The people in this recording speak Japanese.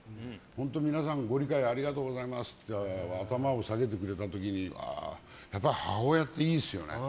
本当、皆さんご理解ありがとうございますって頭を下げてくれた時にやっぱり母親っていいですよね。